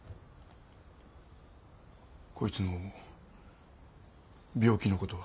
こいつの病気のことは？